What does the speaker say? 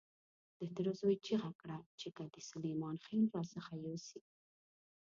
د تره زوی چیغه کړه چې که دې سلیمان خېل را څخه يوسي.